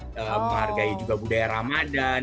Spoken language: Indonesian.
menghargai juga budaya ramadhan